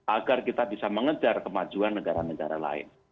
agar kita bisa mengejar kemajuan negara negara lain